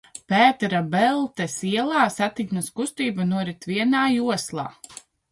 Pētera Beltes ielā satiksmes kustība norit vienā joslā.